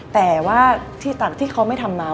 แต่ว่าต่างจากที่เขาไม่ทำมา